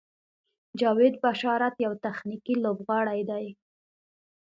جاوید بشارت یو تخنیکي لوبغاړی دی.